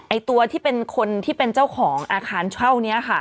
ตัวที่เป็นคนที่เป็นเจ้าของอาคารเช่านี้ค่ะ